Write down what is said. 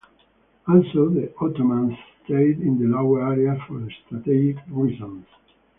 Also the Ottomans stayed in the lower areas for strategic reasons.